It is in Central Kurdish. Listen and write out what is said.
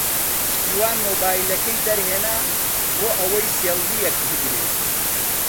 پشتیوان مۆبایلەکەی دەرهێنا بۆ ئەوەی سێڵفییەک بگرێت.